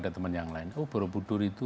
ada teman yang lain oh borobudur itu